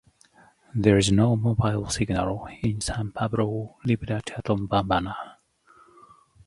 There is no mobile signal in San Pablo Libutad Atbambana.